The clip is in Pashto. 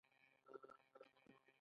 پیلوټ د انسان د ارادې لوړ مقام ښيي.